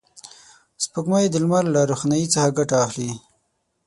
سپوږمۍ د لمر له روښنایي څخه ګټه اخلي